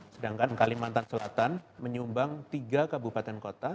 sedangkan kalimantan selatan menyumbang tiga kabupaten kota